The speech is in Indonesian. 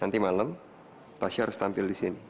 nanti malam tasya harus tampil di sini